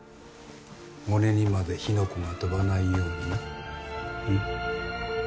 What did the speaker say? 俺にまで火の粉が飛ばないようになうん？